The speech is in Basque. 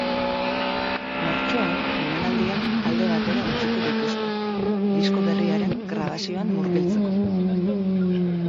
Martxoan emanaldiak alde batera utziko dituzte, disko berriaren grabazioan murgiltzeko.